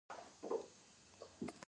د ادبي تاریخ د لیکلو لارې چارې ښيي.